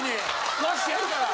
食わしてやるから。